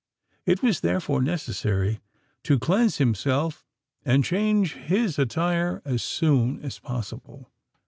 It was therefore necessary to cleanse himself and change his attire as soon as possible.